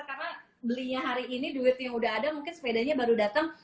karena belinya hari ini duit yang udah ada mungkin sepedanya baru dateng